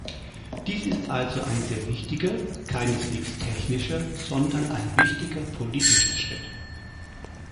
Dies ist also ein sehr wichtiger, keineswegs technischer, sondern ein wichtiger politischer Schritt.